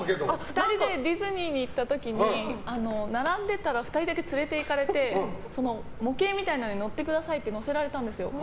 ２人でディズニーに行った時に並んでいたら２人だけ連れていかれて模型みたいなのに乗ってくださいって乗せられたんです。